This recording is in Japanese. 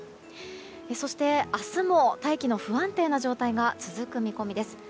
そして、明日も大気の不安定な状態が続く見込みです。